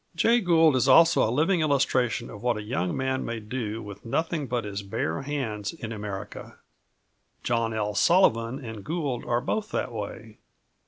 Jay Gould is also a living illustration of what a young man may do with nothing but his bare hands in America. John L. Sullivan and Gould are both that way.